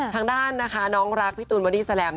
ทางด้านนะคะน้องรักพี่ตูนบอดี้แลม